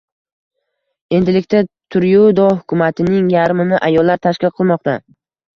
Endilikda Tryudo hukumatining yarmini ayollar tashkil qilmoqda